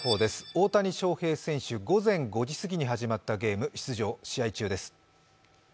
大谷翔平選手、午前５時過ぎに始まったゲーム、出場、試合中です。